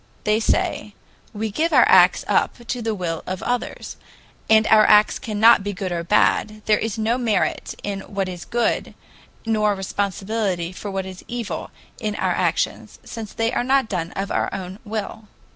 They say: "We give our acts up to the will of others, and our acts cannot be good or bad; there is no merit in what is good nor responsibility for what is evil in our actions, since they are not done of our own will."